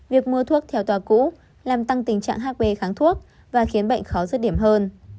việc mua thuốc theo tòa cũ làm tăng tình trạng hv kháng thuốc và khiến bệnh khó dứt điểm hơn